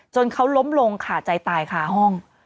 เขาล้มลงขาดใจตายคาห้อง